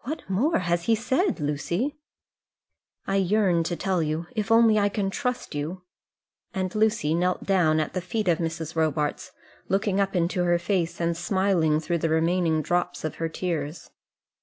"What more has he said, Lucy?" "I yearn to tell you, if only I can trust you;" and Lucy knelt down at the feet of Mrs. Robarts, looking up into her face and smiling through the remaining drops of her tears.